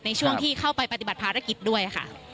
ในช่วงที่เข้าไปปฏิบัติภารกิจด้วยค่ะ